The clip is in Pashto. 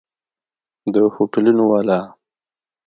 د هوټلونو والا!